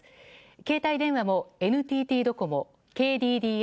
携帯電話もＮＴＴドコモ、ＫＤＤＩ